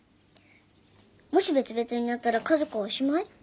もし別々になったら家族はおしまい？